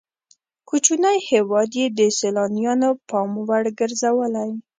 کوچنی هېواد یې د سیلانیانو پام وړ ګرځولی.